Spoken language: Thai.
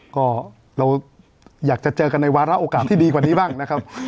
ก็เราอยากจะเจอกันในวาระโอกาสที่ดีกว่านี้บ้างนะครับ